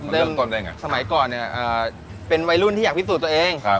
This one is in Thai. สมัยก่อนเนี่ยเป็นวัยรุ่นที่อยากพิสูจน์ตัวเอง